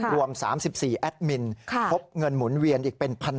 รวม๓๔แอดมินพบเงินหมุนเวียนอีกเป็น๑๐๐